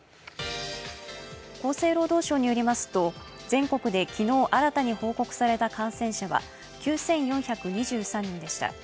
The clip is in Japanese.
厚生労働省によりますと全国で昨日新たに報告された感染者は９４２３人でした。